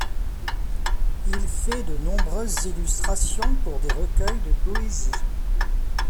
Il fait de nombreuses illustrations pour des recueils de poésie.